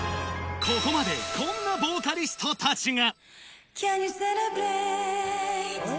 ここまでこんなヴォーカリストたちが。